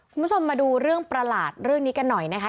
คุณผู้ชมมาดูเรื่องประหลาดเรื่องนี้กันหน่อยนะคะ